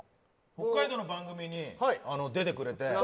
北海道の番組に出てくれて。